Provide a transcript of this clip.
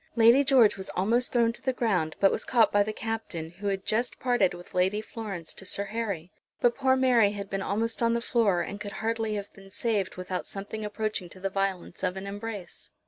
Lady George was almost thrown to the ground, but was caught by the Captain, who had just parted with Lady Florence to Sir Harry. But poor Mary had been almost on the floor, and could hardly have been saved without something approaching to the violence of an embrace.